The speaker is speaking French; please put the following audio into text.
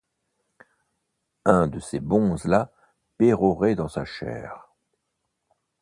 Un de ces bonzes-là pérorait dans sa chaire ;